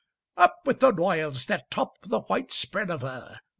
] Up with the royals that top the white spread of her!